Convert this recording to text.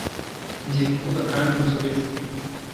Ngiye kuvuga kndi unsubize